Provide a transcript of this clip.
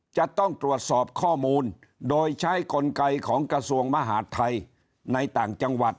จะต้องตรวจสอบข้อมูลโดยใช้กลไกของกระทรวงมหาดไทยในต่างจังหวัด